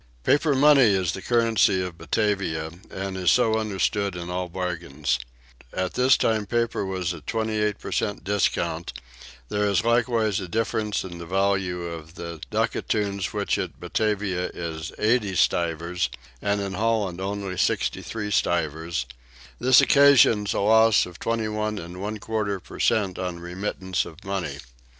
Paper money is the currency of Batavia and is so understood in all bargains. At this time paper was at 28 per cent discount: there is likewise a difference in the value of the ducatoon which at Batavia is 80 stivers and in Holland only 63 stivers: this occasions a loss of 21 1/4 per cent on remittance of money.